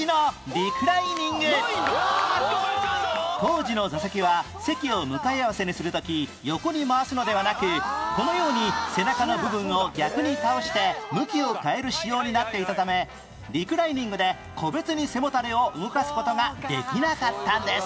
当時の座席は席を向かい合わせにする時横に回すのではなくこのように背中の部分を逆に倒して向きを変える仕様になっていたためリクライニングで個別に背もたれを動かす事ができなかったんです